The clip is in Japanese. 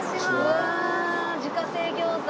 うわあ自家製餃子。